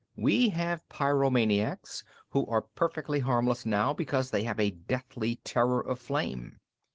"We have pyromaniacs who are perfectly harmless now because they have a deathly terror of flame.